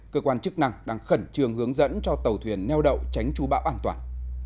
cơ quan chức năng đang khẩn trương hướng dẫn cho tàu thuyền neo đậu tránh chú bão an toàn